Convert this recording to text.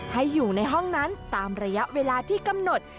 ให้อยู่ในห้องนั้นตามระยะเวลาที่กำหนด